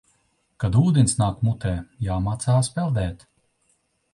Kad ūdens nāk mutē, jāmācās peldēt.